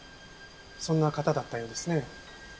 そんな方だったようですね。